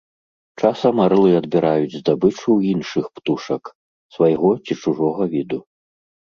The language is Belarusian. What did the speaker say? Часам арлы адбіраюць здабычу ў іншых птушак, свайго ці чужога віду.